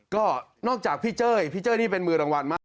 ก็นอกจากพี่เจ้ยพี่เจ้ยนี่เป็นมือรางวัลมาก